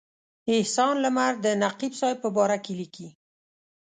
احسان لمر د نقیب صاحب په باره کې لیکي.